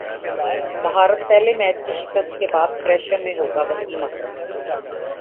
بھارت پہلے میچ کی شکست کے بعد پریشر میں ہوگاوسیم اکرم